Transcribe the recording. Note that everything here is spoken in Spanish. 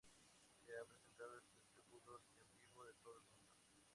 Se ha presentado espectáculos en vivo de todo el mundo.